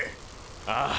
ああ！